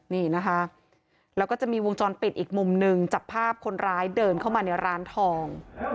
นี่นะคะแล้วก็จะมีวงจรปิดอีกมุมหนึ่งจับภาพคนร้ายเดินเข้ามาในร้านทอง